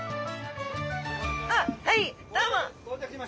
あっはいどうも。